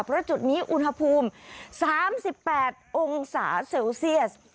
เพราะจุดนี้อุณหภูมิ๓๘องศาเซลเซียส